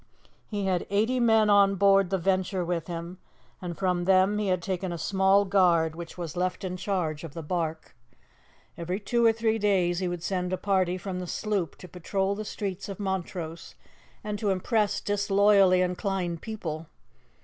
He had eighty men on board the Venture with him, and from them he had taken a small guard which was left in charge of the barque. Every two or three days he would send a party from the sloop to patrol the streets of Montrose, and to impress disloyally inclined people.